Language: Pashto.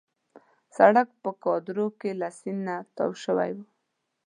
سړک په کادور کې له سیند نه تاو شوی وو.